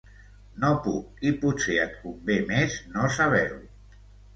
No puc, i potser et convé més no saber-ho.